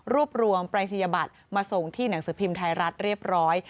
รวบรวมปรายศนียบัตรมาส่งที่หนังสือพิมพ์ไทยรัฐเรียบร้อย